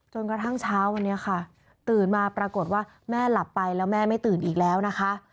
จนกระทั่งเช้าวันนี้ค่ะตื่นมาปรากฏว่าแม่หลับไปแล้วแม่ไม่ตื่นอีกแล้วนะคะ